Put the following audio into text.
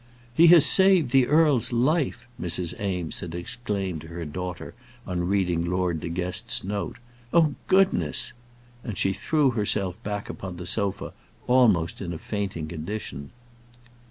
"He has saved the earl's life!" Mrs. Eames had exclaimed to her daughter on reading Lord De Guest's note. "Oh, goodness!" and she threw herself back upon the sofa almost in a fainting condition.